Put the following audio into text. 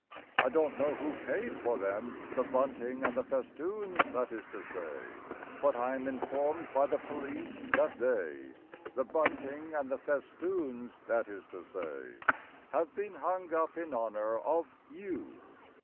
I don't know who pays for them (The bunting and the festoons, that is to say), But I am informed by the police that they (The bunting and the festoons, that is to say) Have been hung up in honour of YOU.